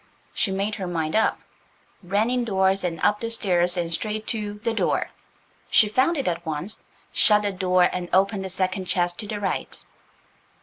She made her mind up–ran indoors and up the stairs and straight to The Door–she found it at once–shut the door, and opened the second chest to the right.